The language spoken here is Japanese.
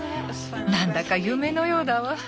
なんだか夢のようだわ。